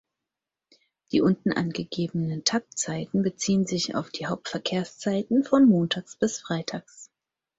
Die unten angegebenen Taktzeiten beziehen sich auf die Hauptverkehrszeiten von montags bis freitags.